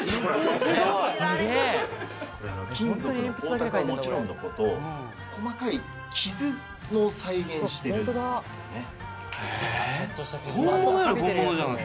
金属の光沢はもちろんのこと、細かい傷も再現しているんですよね。